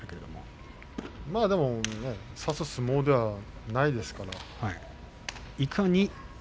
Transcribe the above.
でも差す相撲ではないですから。